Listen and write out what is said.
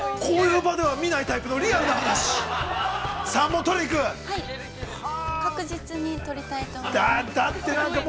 こういう場では見ないタイプのリアルな話。